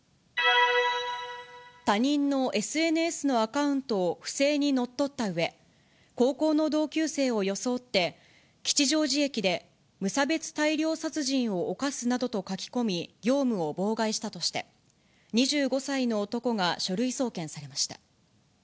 他人のＳＮＳのアカウントを不正に乗っ取ったうえ、高校の同級生を装って、吉祥寺駅で無差別大量殺人をおかすなどと書き込み、業務を妨害したとして、２５歳の男が書類送検されました。